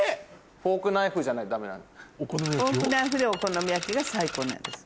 ⁉フォークナイフでお好み焼きが最高なんです。